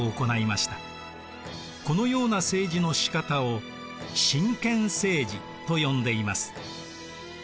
このような政治のしかたを神権政治と呼んでいます。